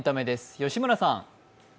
吉村さん。